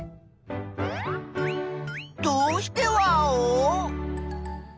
どうしてワオ？